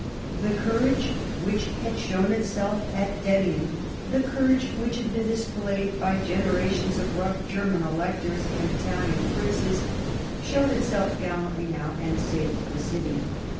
The courage which had shown itself at Dettingen, the courage which had been displayed by generations of rough German electors and Italian princes, showed itself gallantly now and saved the city.